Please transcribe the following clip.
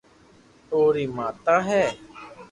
اوري ماتا ھي